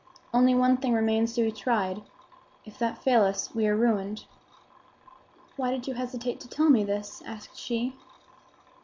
Only one thing remains to be tried. If that fail us we are ruined." "Why did you hesitate to tell me this?" asked she.